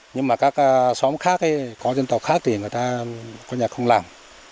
nhưng mà các xóm khác ấy có dân tộc khác thì người ta có nhà không làm